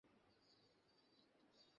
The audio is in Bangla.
কিন্তু আমও এখন এখানে আছি।